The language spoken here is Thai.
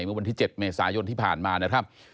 เมื่อวันที่๗เมษายนที่ผ่านมานะครับ